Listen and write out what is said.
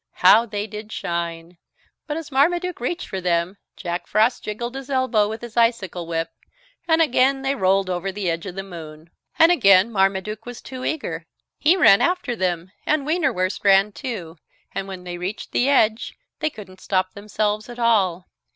How they did shine! But as Marmaduke reached for them, Jack Frost jiggled his elbow with his icicle whip and again they rolled over the edge of the moon. And again Marmaduke was too eager. He ran after them, and Wienerwurst ran too, and when they reached the edge they couldn't stop themselves at all.